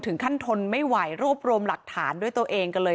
ท่านทนไม่ไหวรวบรวมหลักฐานด้วยตัวเองกันเลย